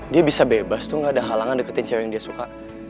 dia bisa bebas tuh gak ada halangan deketin cewek yang dia suka